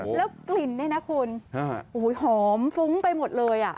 แล้วกลิ่นเนี่ยนะคุณหอมฟุ้งไปหมดเลย